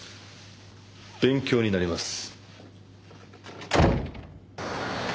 勉強になります。